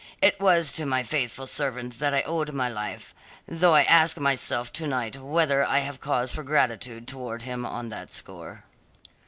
It was to my faithful servant that I owed my life, though I ask myself to night whether I have cause for gratitude towards him on that score.